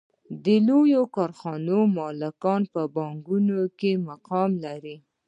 د لویو کارخانو مالکان په بانکونو کې مقام لري